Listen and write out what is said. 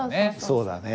そうだね。